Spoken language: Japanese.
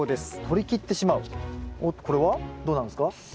おっこれはどうなんですか？